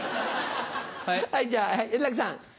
はいじゃあ円楽さん。